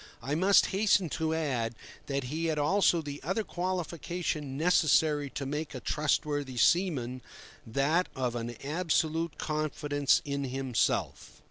I must hasten to add that he had also the other qualification necessary to make a trustworthy seaman—that of an absolute confidence in himself.